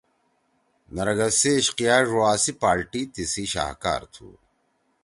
نرگس سی عشقیہ ڙوا سی پالٹی تیِسی شاہکار تُھو۔